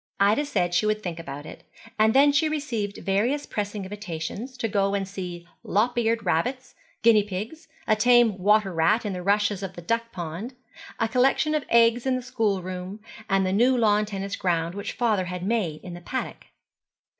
Ida said she would think about it: and then she received various pressing invitations to go and see lop eared rabbits, guinea pigs, a tame water rat in the rushes of the duck pond, a collection of eggs in the schoolroom, and the new lawn tennis ground which father had made in the paddock.